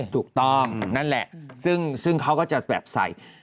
ถูกต้องนั่นแหละซึ่งเขาก็จะแบบใส่